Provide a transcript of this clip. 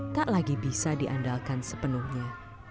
tak lagi bisa diandalkan sepenuhnya